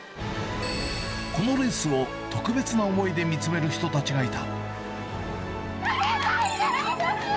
このレースを特別な思いで見つめる人たちがいた。